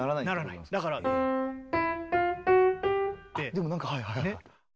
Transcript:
でもなんかはいはい。